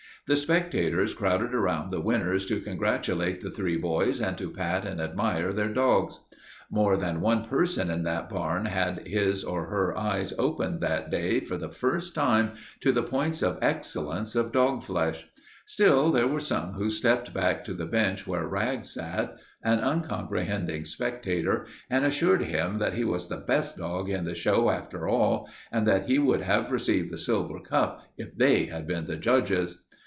The spectators crowded around the winners to congratulate the three boys and to pat and admire their dogs. More than one person in that barn had his or her eyes opened that day for the first time to the points of excellence of dog flesh. Still, there were some who stepped back to the bench where Rags sat, an uncomprehending spectator, and assured him that he was the best dog in the show after all, and that he would have received the silver cup if they had been the judges.